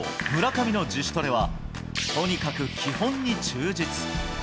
三冠王、村上の自主トレは、とにかく基本に忠実。